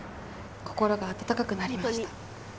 心が温かくなりました。